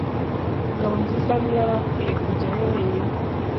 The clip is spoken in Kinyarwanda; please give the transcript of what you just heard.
Ngabonziza ntiyari akwiye kujyayo wenyine.